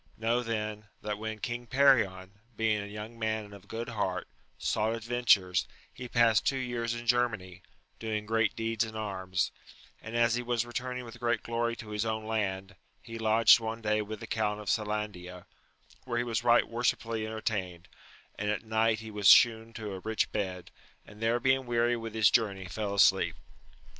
Know then that when King Perion, being a young man and of good heart, sought adventures, he passed two years in Germany, doing great deeds in arms, and as he was returning with great glory to his own land, he lodged one day with the Count of Selandia, where he was right worshipfully entertained, and at night he was shewn to a rich bed, and there being weary with his journey fell asleep.